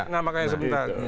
nah makanya sebentar